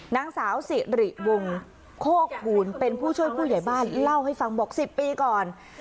นางสาวสิริวงโคกภูลเป็นผู้ช่วยผู้ใหญ่บ้านเล่าให้ฟังบอก๑๐ปีก่อน